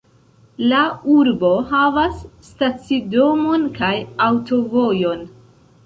La urbo havas stacidomon kaj aŭtovojon.